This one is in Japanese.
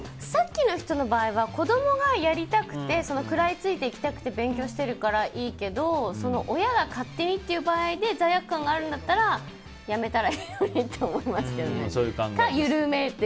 さっきの人の場合は子供がやりたくて食らいついていきたくて勉強してるからいいけど親が勝手にっていう場合で罪悪感があるんだったらやめたらいいのにって思いますけどね。